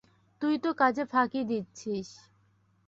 তুই তো কাজে ফাঁকি দিচ্ছিস।